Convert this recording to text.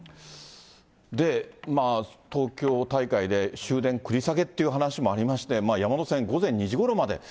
で、東京大会で終電繰り下げという話もありまして、山手線、午前２時ごろまで。